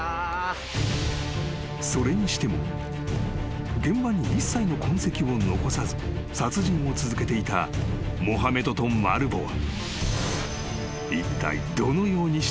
［それにしても現場に一切の痕跡を残さず殺人を続けていたモハメドとマルヴォは］